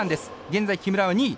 現在、木村は２位。